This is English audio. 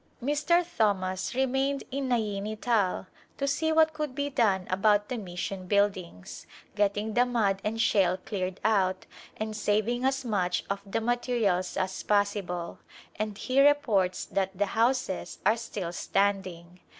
Mr. Thomas remained in Naini Tal to see what could be done about the mission buildings, getting the mud and shale cleared out and saving as much of the materials as possible, and he reports that the houses are still standing.